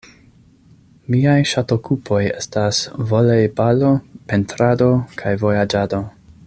Miaj ŝatokupoj estas volejbalo, pentrado kaj vojaĝado.